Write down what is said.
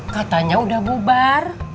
katanya udah bubar